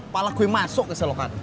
pala gue masuk ke selokan